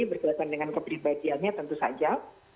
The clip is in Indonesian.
berkaitan dengan kepribadiannya tentu saja